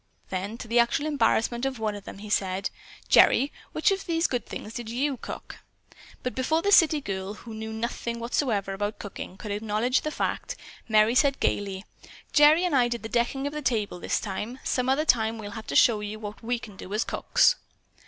Then, to the actual embarrassment of one of them, he asked: "Gerry, which of these good things did you cook?" But, before the city girl, who knew nothing whatever about cooking, could acknowledge the fact, Merry said gaily: "Gerry and I did the decking of the table this time. Some other time we'll show you what we can do as cooks."